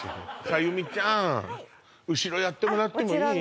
小百合ちゃん後ろやってもらってもいい？